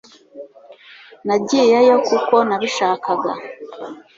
nagiyeyo kuko nabishakaga